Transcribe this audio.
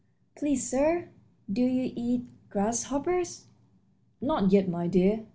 "Please, sir, do you eat grasshoppers?" "Not yet, my dear."